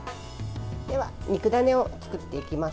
では、肉ダネを作っていきます。